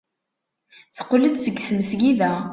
Teqqel-d seg tmesgida.